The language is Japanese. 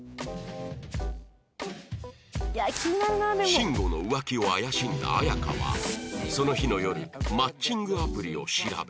シンゴの浮気を怪しんだアヤカはその日の夜マッチングアプリを調べ